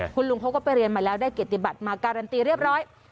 คุณลุงเขาก็ไปเรียนมาแล้วได้เกียรติบัติมาการันตีเรียบร้อย